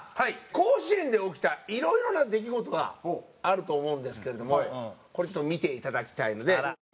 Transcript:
甲子園で起きたいろいろな出来事があると思うんですけれどもこれちょっと見ていただきたいので。